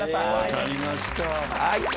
分かりました。